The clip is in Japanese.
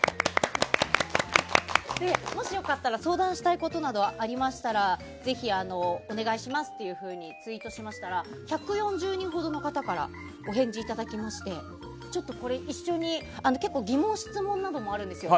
もしよかったら相談したいことなどありましたらぜひ、お願いしますとツイートしましたら１４０人ほどの方からお返事をいただきまして一緒に疑問、質問などもあるんですよ。